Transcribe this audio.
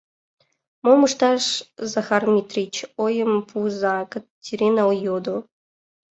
— Мом ышташ, Захар Митрич, ойым пуыза, — Катерина йодо.